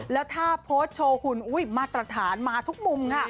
แล้วถ้าโพสต์โชว์หุ่นมาตรฐานมาทุกมุมค่ะ